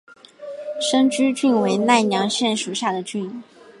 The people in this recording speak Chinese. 生驹郡为奈良县属下的郡。